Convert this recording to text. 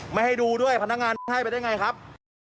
ไม่ให้ดูด้วยพนักงานให้ไปได้ไงครับ